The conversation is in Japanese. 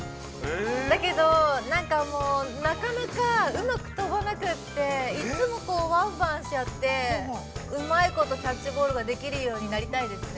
だけど、なんかもう、なかなかうまく飛ばなくて、いつも、ワンバウンドしちゃってうまいこと、キャッチボールができるようになりたいですね。